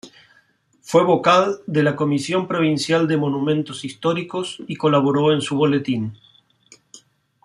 Fue vocal de la Comisión Provincial de Monumentos Históricos y colaboró en su boletín.